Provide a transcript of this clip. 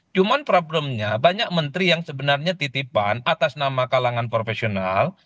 cuman problemnya banyak menteri yang sebenarnya titipan atas nama kalangan profesional